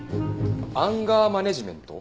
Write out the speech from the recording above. アンガーマネジメント？